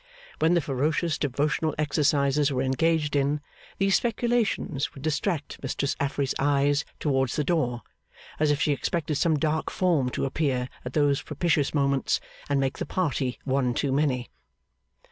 When the ferocious devotional exercises were engaged in, these speculations would distract Mistress Affery's eyes towards the door, as if she expected some dark form to appear at those propitious moments, and make the party one too many.